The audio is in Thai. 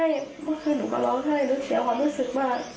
ไม่เคยหนูก็ร้องให้หนูเสียความรู้สึกมาก